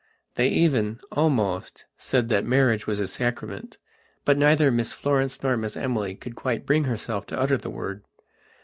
They even, almost, said that marriage was a sacrament; but neither Miss Florence nor Miss Emily could quite bring herself to utter the word.